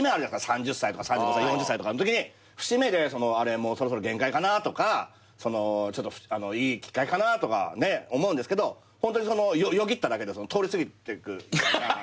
３０歳とか３５歳４０歳とかのときに節目でそろそろ限界かなとかいいきっかけかなとか思うんですけどホントによぎっただけで通り過ぎてくみたいな。